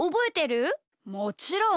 もちろん！